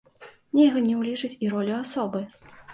Нельга не ўлічыць і ролю асобы.